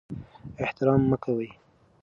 احتکار مه کوئ.